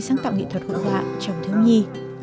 sáng tạo nghệ thuật hội họa trong thương nhi